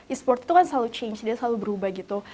esport itu kan selalu berubah gitu